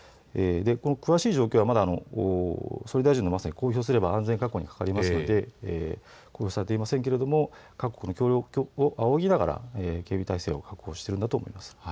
詳しい状況は、まだ総理大臣が公表すれば安全確保に関わるので公表されていませんが各国の協力を仰ぎながら警備体制を確保しているんだと思います。